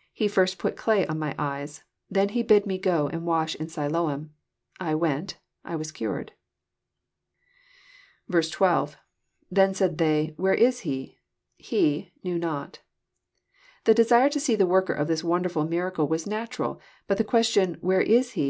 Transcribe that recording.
*< He first put clay on my eyes ; then He bid me go and wash in Siloam ;— I went : I was cared.*' 12.— [TTien said they,..where is Hef.„He...know not,'] The desire to •see the worker of this wonderfhl miracle was natnral, bnt the question, '* Where is He?"